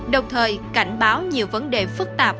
đồng thời cảnh báo nhiều vấn đề phức tạp